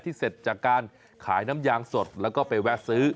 เสร็จจากการขายน้ำยางสดแล้วก็ไปแวะซื้อ